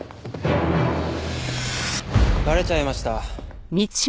バレちゃいました？